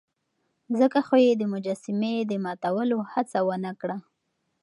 ځکه خو يې د مجسمې د ماتولو هڅه ونه کړه.